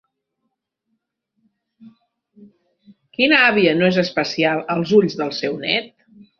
Quina àvia no és especial als ulls del seu net?